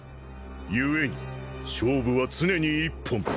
故に勝負は常に一本。